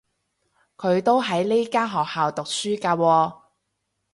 佢都喺呢間學校讀書㗎喎